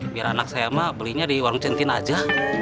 biar anak saya mah belinya di warung centin aja